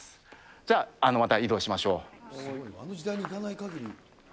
じゃあ、また移動しましょう。